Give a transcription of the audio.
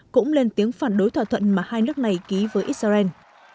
cũng lên tiếng phản đối thỏa thuận mà hai nước này ký với israel